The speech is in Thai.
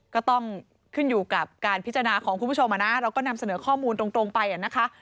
ก็ต้องขึ้นอยู่กับการพิจารณาของคุณผู้ชมเราก็นำเสนอข้อมูลตรงไปนะคะ